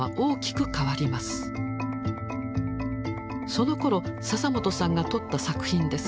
そのころ笹本さんが撮った作品です。